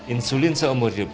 insulin seumur hidup